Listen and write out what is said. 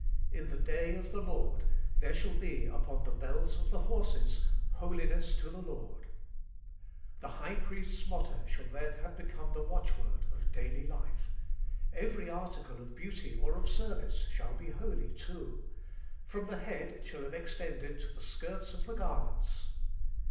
In the day of the Lord, ' there shall be upon the bells of the horses, HOLINESS TO THE LORD.' The high priest's motto shall then have become the watchword of daily life ; every article of beauty or of service shall be holy too ; from the head it shall have extended to the skirts of the garments.